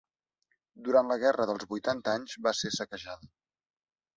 Durant la guerra dels vuitanta anys va ser saquejada.